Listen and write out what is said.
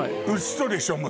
嘘でしょ。